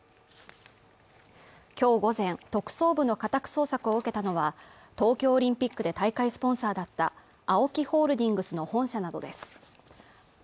今日午前特捜部の家宅捜索を受けたのは東京オリンピックで大会スポンサーだったＡＯＫＩホールディングスの本社などです